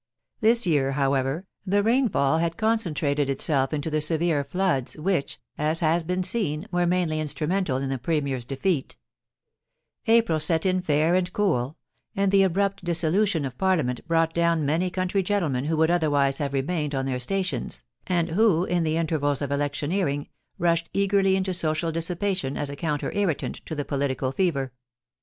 This year, however, the rainfall had concentrated itself into the severe floods which, as has been seen, were mainly instrumental in the Premier's defeat April set in fair and cool, and the abrupt dissolution of Parliament brought down many country gentlemen who would otherwise have remained on their stations, and who, in the intervals of electioneering, rushed eagerly into social dissipation as a counter irritant to the political fever.